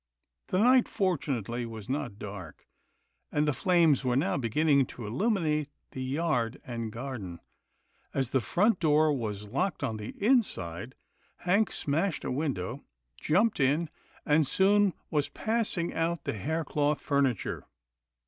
The night fortunately was not dark, and the flames were now beginning to illuminate the yard and garden. As the front door was locked on 246 'TILDA JANE'S ORPHANS the inside, Hank smashed a window, jumped in, and soon was passing out the haircloth furni ture.